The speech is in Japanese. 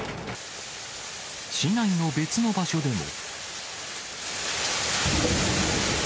市内の別の場所でも。